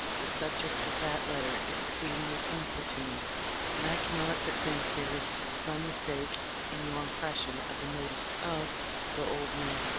The subject of that letter is exceedingly painful to me, and I can not but think there is some mistake in your im pression of the motives of the old men.